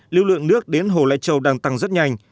lưu lượng nước đến hồ lai châu đang tăng rất nhanh